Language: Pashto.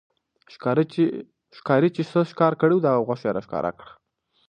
ښکارې چې څه ښکار کړي وو، د هغه غوښه يې را ښکاره کړه